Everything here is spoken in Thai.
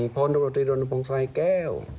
โพนตุกตรีรศไซน์แก้ว